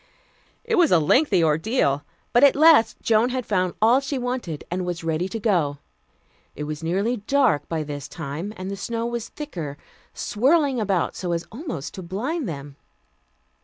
It was a lengthy ordeal, but at last Joan had found all she wanted and was ready to go. It was nearly dark by this time, and the snow was thicker, swirling about so as almost to blind them.